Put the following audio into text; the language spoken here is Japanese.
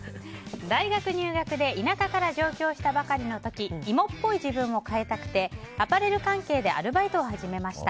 大学入学で田舎から上京したばかりの時芋っぽい自分を変えたくてアパレル関係でアルバイトを始めました。